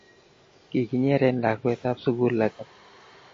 Kikinyeren lakwet ab sukul langat